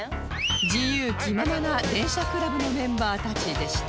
自由気ままな電車クラブのメンバーたちでした